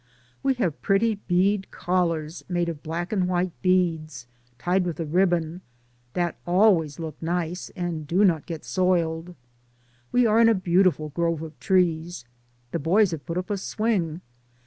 We have pretty bead collars made of black and white beads, tied with a ribbon, that always look nice and do not get soiled. We are in a beautiful grove of trees. The boys have put up a swing.